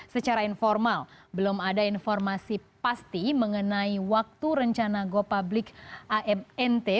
secara informal belum ada informasi pasti mengenai waktu rencana go public amnt